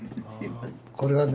これはね